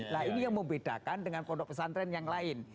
nah ini yang membedakan dengan pondok pesantren yang lain